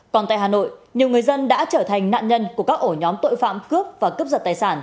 còn tại hà nội nhiều người dân đã trở thành nạn nhân của các ổ nhóm tội phạm cướp và cướp giật tài sản